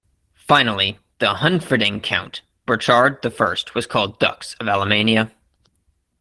Finally, the Hunfriding count Burchard I was called "dux" of Alamannia.